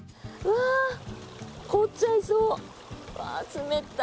凍っちゃいそう。